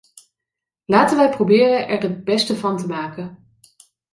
Laten wij proberen er het beste van te maken!